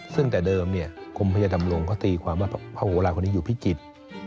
ซึ่งแต่เดิมกรมพญาดำรงเขาตีความว่าพระโหลาคนนี้อยู่พิจิตร